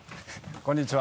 こんにちは！